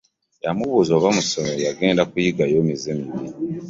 Yamubuuza oba ku ssomero yagenda kuyigayo mize mibi .